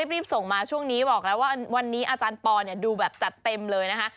รีบส่งมาช่วงนี้บอกแล้วว่าวันนี้อาจารย์ปอลดูแบบจัดเต็มเลยนะคะ